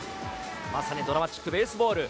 まさにドラマチックベースボール。